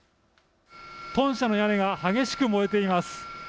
豚舎の屋根が激しく燃えています。